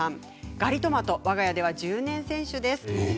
ガリトマト、わが家では１０年選手です。